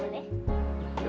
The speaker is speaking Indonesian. akhirnya aku mau pergi